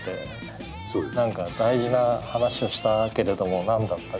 何か大事な話をしたけれども何だったか。